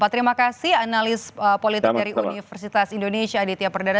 terima kasih analis politik dari universitas indonesia aditya perdana